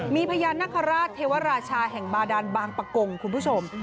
มีพญานาคาราชเทวราชาแห่งบาดานบางปะกงคุณผู้ชม